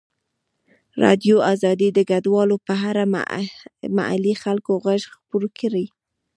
ازادي راډیو د کډوال په اړه د محلي خلکو غږ خپور کړی.